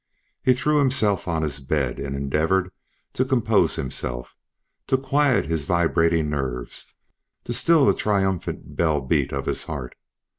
He threw himself on his bed, and endeavored to compose himself, to quiet his vibrating nerves, to still the triumphant bell beat of his heart.